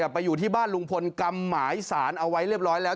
ไปอยู่ที่บ้านลุงพลกำหมายสารเอาไว้เรียบร้อยแล้ว